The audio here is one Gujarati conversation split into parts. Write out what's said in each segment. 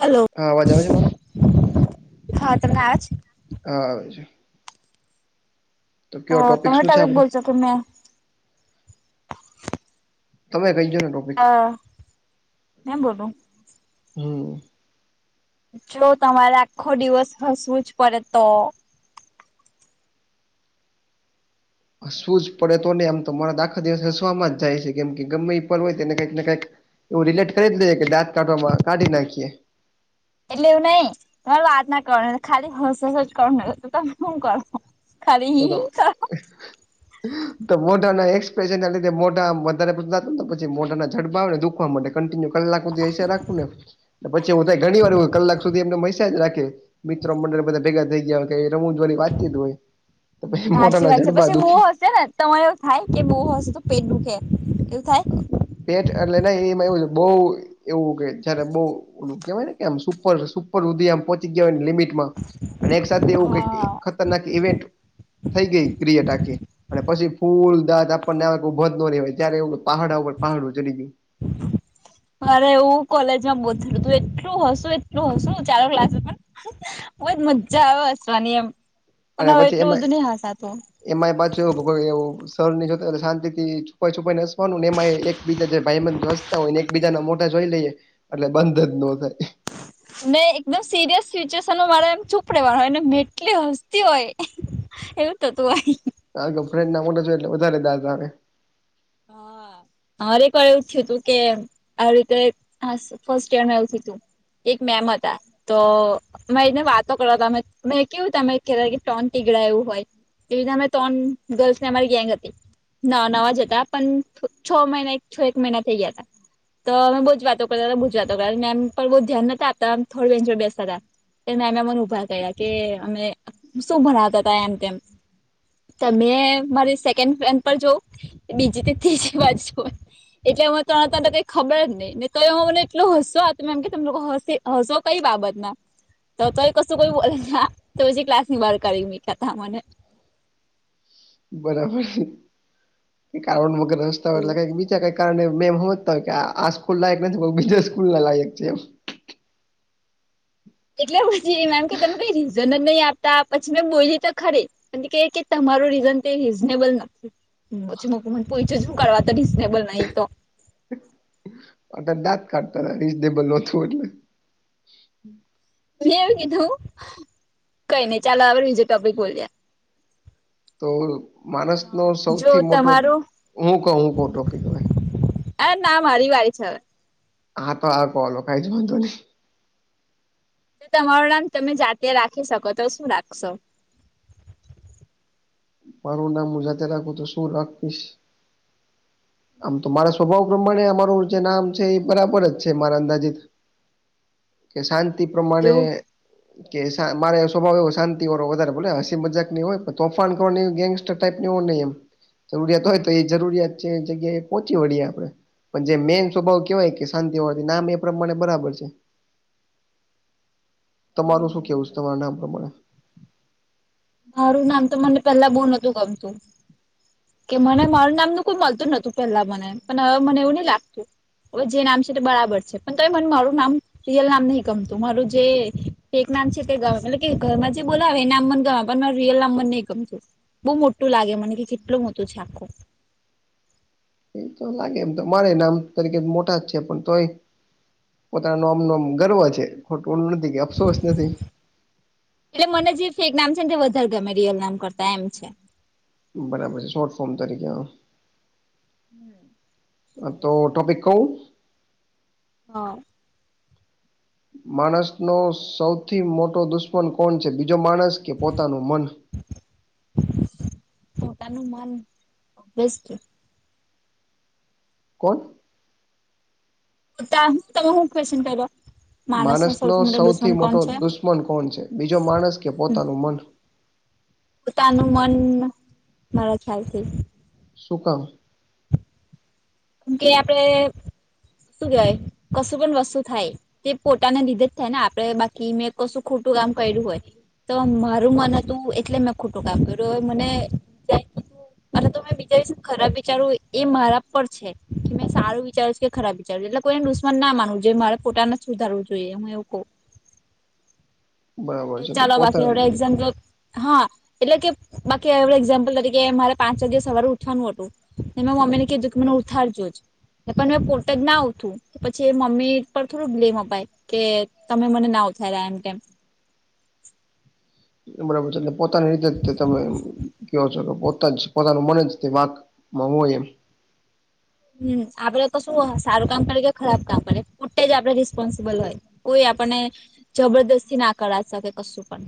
હલો. હા અવાજ આવે છે મારો હા તમને આવે છે હા આવે છે તો કયો ટોપિક શું ટોમેટો છે વીક આપડો બોલ છો કેમે્યાં તમે કઈો ને ડો અ મેમ બોલું હમ જો તમારે આખો દિવસ હસવું જ પડે તો હસવું જ પડે તો નહી આમ તો મારા દાખા દિવસ હસવામાં જાય છે કેમ કે ગમે હોય તોને કંઈક ને કંઈક એવું રિલેટ કરી જ લેજે કે દાત કાઢવામાં કાઢી નાખીએ એટલે એવું નહીિ તમારે વાત ના કરવાની ખાલી હ કરવા ત શું કર તો તો તો મોઢાના એક્સપ્રેશન ના લીધ મોઢા વધારે બને પછી મોઢાના જડબાવને દુખવા માટે કન્ટિન્યુ કલાક સુધી છે રાખું ને એટલે પછી હું થાય ઘણી વાર કલાક સુધી એમને મસેજ રાખે મિત્રો મંડળ બધા ભેગા થઈ ગયા રમું જોવાની વાતચ હોય તો પછી સાચી મોઢાના વાત છે જડબા પછી એવવો દુખે હશે નેને તમારે એવું થાય કે બહુ હશે તો પે નું કેમ એવું થાય પેટ એટલે એમાં એવું છે બહ એવું કે જયારે બઉ કેહેવાયને કે આમ સુપર સુપર સુધી આ પહોચી ગયાને લિમિટ એક સાથે એવું ક હા. ખતરનાક ઇવેન્ટ થઈ ગઈ ક્રિએટ આખી અને પછી ફૂલ દાંત કોઈ ભજ નવાય ત્યારે એવ પહાડા ઉપર પહાડું ચડી દ અરે હવું કોલેજમાં બોતેલું તું એટલું હસુ એટલું હસું ચાલો ક્લાસમાં પણ બજ મજા આવે હસવાની એમ પણ અને હવે પછી એટલું એમાં બધું નહી હસાતું એમાં એ પાછું એવું સરની જોતા શાંતિથી છુપાઈ છુપાઈ ને હસવાનુંને એમાં એકબીજા જે ભાઈબંધ હોય ને એકબીજા ના મોટા જોઈ લઈએ એટલે બંધ જ ન થાય ન એકદમ સિરિયસ સચ્યુએશનમાં મારે એમ ચૂપ રહેેવાનું હોય ને એટલી હસતી હોય એવું તો તો વાહી હ ફ્રેડ ના મોટા એટલે વધારે દાામે [inaudible] હરે પણ એવ થયું તું કે આવી રીતે ફર્સ્ટ યર આવવું તું એક મેહેમત તો મે એને વાતો કર તમે મે કેવું તમે ટોન ટીગડ એવું હોય એવી રીતે અમે ત્રણ ગર્લ્સ ને અમારી ગેંગ હતી નવા જતા પણ છ મહિના એક છ એક મહિના થઈ ગયા હતા તો અમે બહુ જ વાતો કર બ જ વાતો કર મેમ પણ બહુ ધ્યાન નથી આપતા થોડ વન્ચર બેસતા હતા એ મે અમે મને ઉભા કરયા કે અમે શું ભણાવતા હતાા એમ તેમ તમે મારી સેકન્ડ ફેન પર જવ બીજી ત્રીજી બાજુ એટલે હું ત તને કઈ ખબર જ નહી ને તો એ હું મને એટલો હસો આ ત એમ કે તમ લોકો હસે હસો કઈ બાબતમાં તો તોય કશું કોઈ પછી ક્લાસ ની બારાઢી મીઠા ત મને બરાબર કારણ મગ રસ્તા એવું વાટલા કઈ બી ઈ કારણે મેમ સમજતા કે આ સ્કૂલ લાયક નથી બીજા સ્કૂલ ના લાયક છે એ એટલે પછી મેમ કે ત કઈ રીઝન નથી નહી આપતા પછી મેં બોલી તો ખરી કે તમારું રીઝન તે રીઝનેબલ નથી હછી મ મ પૈચ જું કાવા તો રીઝનેબલ ન તો અ દાત કાઢતા હતા રીઝનેબલ નોતું એટલે મે એવું કીધું કઈ નઈ ચાલ આડ બીજું ટોપિક બોલ્યા તો માણસ નો જો સૌથી મોટો તમારું હું ક હું ક ટો ક એ ના મારી વારી છે હવે હા તો કોહલો કઈ જ બંધો નહી તો તમારું નામ તમે જાતે રાખી શકો તો શું રાખશો મારું નામ હું જાાતે રાખું તો શું રાખીશ આમ તો મારા સ્વભાવ પ્રમાણે અમારું જે નામ છે એ બરાબર જ છે મારા અંદાજીત કે શાંતિ પ્રમાણે એવું કે મારે સ્વભાવ એવો શાંતિ વાળો વધારે ભલે હસી મજાક ની હોય તોફાન ન ગેંગસ્ટર ટાઈપ નહી એમ જરૂરિયાત હોય તો એ જરૂરિયાત છે જગ્યાએ એ પહોંચી વળીએ આપડણે પણ જે મેન સ્વભાવ કવાય કે શાંતિ હોવાથી નામ એ પ્રમાણે બરાબર છે તમારું શું કેવું છે તમારા નામ પ્રમાણે મારું નામ તો મને પેલા બહુ નોતું ગમતું કે મને મારું નામનું કોઈ મળતું નતું પેલા મને પણવે મને એવું નહ લાગતું હવે જે નામ છે તે બરાબર છે પણ તો મને મારું નામ રિયલ નામ નહ ગમતું મારું જે ફેક નામ છે તે ગ એ કે ઘરમાં જે બોલા આવે એ નામ મને ગ બ રિયલ નંબર નહી ગમતું બઉુ મોટું લાગે મને કે કેટલું મોટું છે આખું એ તો લાગે એમ તો મારે નામ તરીકે મોટા જ છે પણ તોય પોતા ન આમનોમ ગર્વ છે ખોટુંું નથી કે અફસોસ નથી એટલે મને જે ફેક નામ છે ને વધારે ગમે રિયલ નામ કરતા એમ છે બરાબર છે શોર્ટ ફોર્મ તરીકે હમ તો ટોપિક કહું હા માણસ નો સૌથી મોટો દુશ્મન કોણ છે બીજો માણસ કે પોતાનું મન તનું મન બેસ્ટ કોણ ટું તમે હું ક્વે્ન કર માણસ નો સૌથી મોટો છે દુશ્મન કોણ છે બીજો માણસ કે પોતાનું મન પોતાનું મન મારા ખ્યાલ છે શકાામ કેમ કે આપડે શું કેહેવાય કશું પણ વસ્તુ થાય તે પોતાને લીધે જ થાય ને આપડણે બાકી મેં કશું ખોટું કામ કર્યું હોય તો મારું મન હતું એટલે મેં ખોટું કાપ્યું હત્યું મને અરે તો મેં બીજા વિશે ખરાબ વિચારવું એ મારા પર છે કે મેં સારું વિચાર્યું છે કે ખરાબ વિચારું છે એટલે કોઈને દુશમન ના માનવું જે મારે પોતાને જ સુધારવું જોઈએ હું એવું કહું બરાબર એ છે તો ચાલો બાકી હ પોતાની એક્ઝામપલ હા એટલે કે બાકી એડ એક્ઝામ્પલ તરીકે મારે પાંચ વા દિવસ સવાર ઉઠવાનું હતું મેં મમ્મી ને કીધું કે મને ઉથારીજો જ પણ મેં પોતે જ ના ઉઠું પછી એ મમ્મી પર થોડું બ્લેમ અપાય કે તમે મને ના ઉથાર્યા એમ કેમ બરાબર છે એટલે પોતાની રીતે જ તમે કવો છો કે પોતા જ પોતાનું મને તે વાકમાં હોુંય એમ હમ આપડે તો શું સારું કામ કરેએ કે ખરાબ કામ કરે પોતે જ આપડે રિસ્પોન્સિબલ હોય કોઈ આપણને જબરદસ્તી ના કરાવ શકે કશું પણ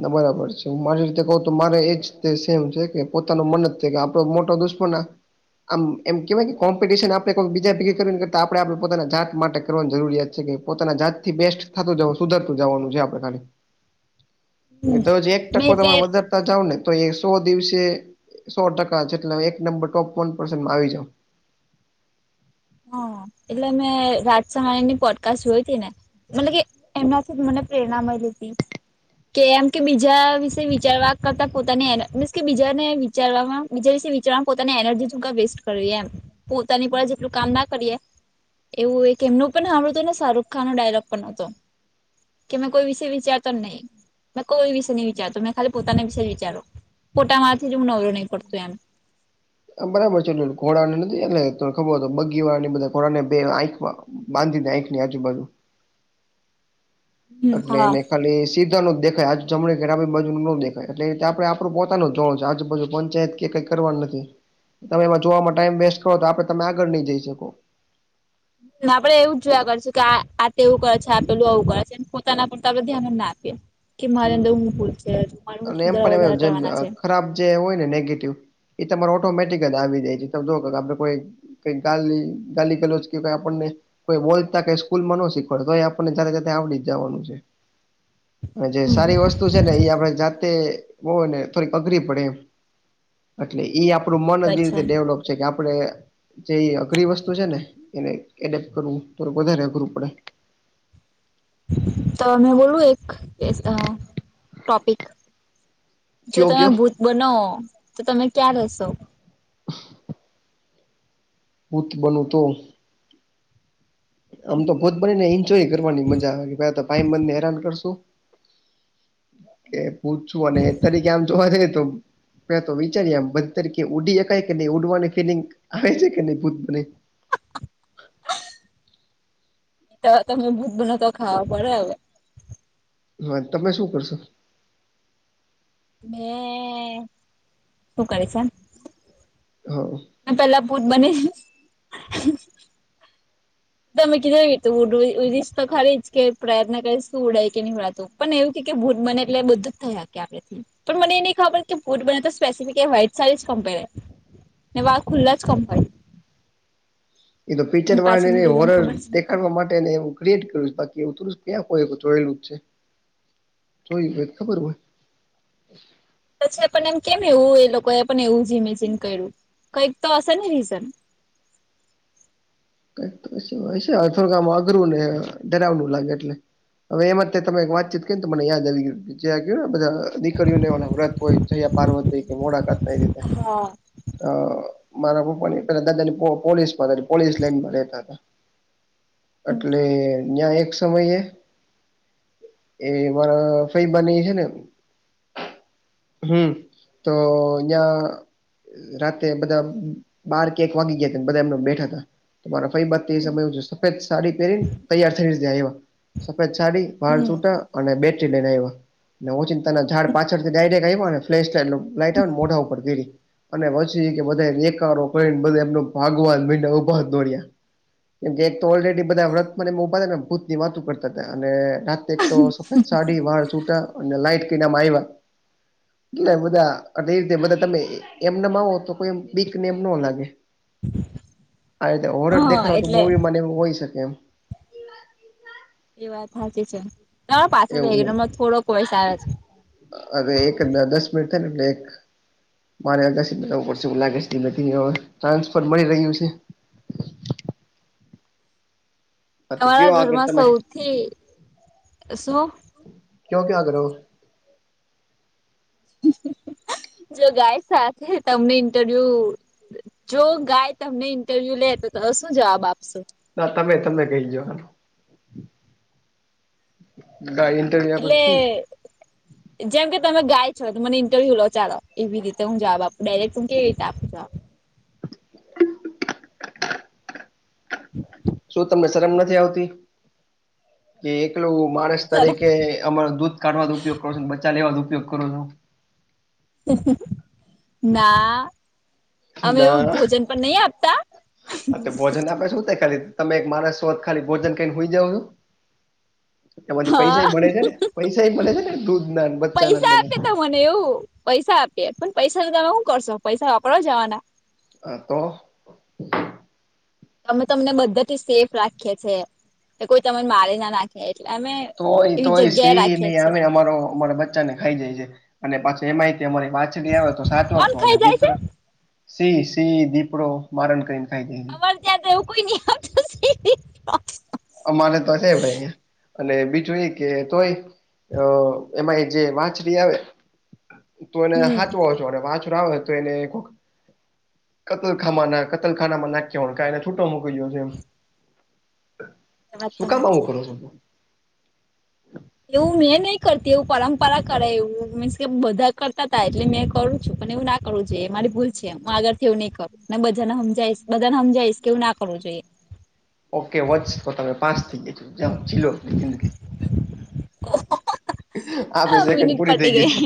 ના બરાબર છે હું મારી રીતે કહ તો મારે એજ તે સેમ છે કે પોતાનું મન જ છે કે આપડો મોટો દુષ્મ [unintelligible] આમ એમ કેહેવાય કે કોમ્પિટિશન આપણેે કોઈ બીજા ભગે કરવી કરતા આપણે આપણે પોતાના જાત માટે કરવાની જરૂરિયાત છે કે. પોતાના જાત થી બેસ્ટ થતું જવ સુધરતું જવાનું છે આપડે ખાલી. હમ તજ એક મેં ટકો તમે એટલે વધારે. જાવ ને તો એ સો દિવસે સો ટકા છે એટલે એક નંબર ટોપ વન પર્સનમાં આવી જાાવ. હ એટલે મે રાજશહાણી ની પોડકાસ્ટ જોય હતી ને. મતલબ કે એમનાથી મને પ્રેરણા મળી હતી. કે એમ કે બીજા વિશે વિચારવા કરતા પોતાને મીન્સ કે બીજાને વિચારવામાં બીજ વિચારવામાં પોતાની એનર્જી શુ કા વેસ્ટ કરવી એમ પોતાની પર એટલું કામ ના કરીએ એવું એક એમનું પણ સાંભળું હતું ને શાહરૂખ ખાન નો ડાયલોગ પણ ન હતો. કે મેં કોઈ વિશે વિચારતો નહી. મેં કોઈ વિશે નહી વિચારતો મેં ખાલી પોતાના વિશે વિચારો પોટા મા માંથી હું નવરો નહીં પડતો એમ. બરાબર છે ઘોડાને નથી એટલે તને ખબર તો બગી વાળ ની બધા ઘોડાને બેંખકવા બાંધીનેખ નની આજુબજુ. હમ એટલે હા એને ખાલી સી. દેખાય આજ જમણી ઘણી બાજુ નો દેખાય એટલે આપું પોતાનું જ જોણો છે આજુ બાજુ પંચાયત કે કઈ કરવા નથી તમે એમાં જોવામાં ટાઈમ વેસ્ટ કરો તો આપે તમે આગળ નહી જઈ શકો. આપડે એવું જ જોયા કરશું કે આ આવું કરે છે આપ પેલું આવું કરે છે પોતાના પર તો આપડે ધ્યાન જ ના આપીએ. કે મારી હમ અંદર હું ભૂલ છે મારે હ અને એમ સુધારા પણ એ વધારા જેમ અ, કરવાના છે. ખરાબ જે હોય ને નેગેટિવ એ તમારે ઓટોમેટિક જ આવી જાય છે ત જો આપડે કોઈ કઈ ગાલી ગાલી ગાલ કેઈ આપણને કોઈ બોલતા કઈ સ્કૂલમાં ન શીખવાડ તો એ આપણને જ આવડી જ જવાનું છે. જે હમ સારી વસ્તુ છે ને એ આપણે જાતે હો ને થોડીક અઘરી પડે એમ. એટલે એઈ આપડું મન જે રીતે અચ્છા ડેવલોપ છે કે આપણે. જે અઘરી વસ્તુ છે ને એને એડેપ્ટ કરવું થોડું વધારે અઘરું પડે. તો મેં બોલું એક ટોપિક? જો કયો તમે કયો ભૂત બનો તો તમે ક્યાં રહેશો? [inaudible] ભૂત બનુ તો? આમ તો ભૂત બનીને એન્જોય કરવાની મજા આવે કે ભાઈબંધને હેરાન કરશું. એ ભૂતછું અને એ તારીકે આમ જોવા જઈ તો પે તો વિચારીમ બધી તરીકે ઉડી શકાય કે નહી ઉડવાની ફિલિંગ આવે છે કે નહી ભૂત બને એટ તમે ભૂત બના તો ખાવા પડે હવે હા તમે શું કરશો? શું કરીશ એમ. હા. મેં પેલા ભૂત બને તમે કીધું તું ઉડ ઉડીશ તો ખરી જ કે પ્રયત્ન કરીશ તું ઉડે કે નહી ઉડાતું. પણ એવું કે ભુત બને એટલે બધુ થયા કે આપણે પણ મને એ નહી ખબર કે ફૂટ બને તો સ્પેસિફિક એ વાઈટ સારી જ કેમ્ પેર ને વાળ ખુલ્લા જ કમ હોય? પિકચર એની વારા પાછળનું ને રીઝન ખબર છે હોરર માટે એવું ક્રએટ કર્યું બાકી એ ક્યાં જોયેલું છે. જોય હોય એન ખબર હોય. પછી પણ એમ કેમ એવું એ લોકો એ પણ એવું ઈમેજીન કર્યું કઈક તો હશે ને રીઝન? ીય થોડમાં અઘરું ને ડરાવનું લાગે એટલે. હવે એમાં તમે એક વાતચીત કરીને તો મને યાદ આવી ગય જે ગયને બધા દીકરીઓને એ વ્રત હોય? જોયા પાર્વતી કે મોડાકાતઈ- હા. મારા પપ્પા ની પેલા દાદા ની પોલીસ પોલીસ લાનમાં રેતા હમ એટલે નયાં એક સમયે એ મારા ફઈ બાની હે ને હમ તો યીયાં રાતે બધા બાર કે એક વાગી ગયા હતા બધા એમને બેઠા હતા. રા ફબા સમય સફેદ સાડી પહેરીને તૈયાર થઈ ર એવા સફેદ સાડી. વાાર છૂટા અને બેટરી લઈને આવ્યા વચિંગ ત જા ડ પાછળ થી ડાયરેક્ટ આવ ને પ્લે સ લાઈટ આવે ને મોઢા ઉપડ પેરી. અને પછી કે બધા રેકારો કરીને બધ એમનો ભાગવાને ઉભા દોડ્યા. કેમકે એક તો ઓલરેડી બધા વતને ઉભા થ ને ભૂત ની વાત કરતા હતા અને રા એક તો સાડી વાળ સટ અને લટ કેમાં આ એટ બધા એ રીતે બધા તમે એમ ના માવો તો કોઈ બીક ને એમ ન લાગે. હ હોર હા દેખાડો તો એટલે મૂવી મને હોય શકે એમ. એ વાત સાચી છે, તમારો પાછળ એવું નહી વેગડમાં થોડો વોઇસ આવે છે હવે એક દસ મિનિટ થાય ને એટલે એક. મારે અવું પડશે હું લાગે નથી ટ્રાન્સફર મળી રહ્યું છે. હા તો તમારા કયો આગળ ઘરમાં તમે સૌથી શું? ક્યો ક્યાં કરો? જો ગાય સાથે તમને ઇન્ટરવ્યુ જો ગાય તમને ઇન્ટરવ્યુ લે તો તો શું જવાબ આપશો. ના તમે તમે કઈ જવાનું ગાય એટલે જેમ કે તમે ગાય છો તો મને ઇન્ટરવ્યુ લો ચાલો એવી રીતે હું જવાબ આપું ડાયરેક્ટ હું કેવી રીતે આપું જવાબ. [inaudible] શું તમને શરમ નથી આવતી કે એકલું માણસ ચલો તરીકે અમા દૂધ કાઢવાનો ઉપયોગ કરો છો બચા લેવાનો ઉપયોગ કરો છો. ના અમે એવું ના ભોજન પણ નહી આપતા. હા તો ભોજન આપે શું ત ખાલી તમે મારા શો ખાલી ભોજન કઈને હોઈ જાવ છો. એમાંથી પૈસા હા મળે છે, ને પૈસા મળે છે ને દૂધ ના બચ્ચા ના પૈસા બ આપે મને એવું પૈસા આપીએે પણ પૈસા ન તમે શું કરશો પૈસા વાપરાવા જવાના. હ તો અમે તમને બધા સેફ રાખીએ છે કે કોઈ તને મારી ના નાખે એટલે અમે તોય એવી તોય જગ્યાએ સી રાખીએ નહી છીએ અમે અમારો અમારા ખાઈ જાય છે, અને પાછી એમાંય અમારી પાછડી આવે તો સાચો કોણ છો અને ખાઈ જાય છે દીકરો સી સી દીપડો માારણ કરીને ખાઈ જ અર ત્યાંવું કોઈ ન અમારે તો હશે ભાઈ અને બીજું એ કે તોય અ એમાંય જે વાંછરી આવે તો એને હમ હાચ અને વાચ આવે તો એને કતલખા ના કતલખાનામાં નાખ હોને છૂટો મોકકી ગ્યો છે. એ વાત શું તો કામ આવું હાચી કરો છું? એવું મેં નહી કરતી એવું પરંપરા કરે એવું મીન્સ કે બધા કરતા હતા એટલે મેં કરું છું, પણ એવું ના કરવું જોઈએ મારી ભૂલ છે, હું આગળથી એવું નહીં કરું ને બધાને સમજીશ બધાને સમજાઈીશ કે એવું ના કરવું જોઈએ. ઓકે વચ તો તમે પાંચ થઈ જ છો, જીલો જિંદગી. આપે સેકન્ડ મિનિટ પૂરી પટી થઈ ગય ગઈ છે.